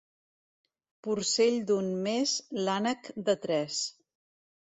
Porcell d'un mes, l'ànec de tres.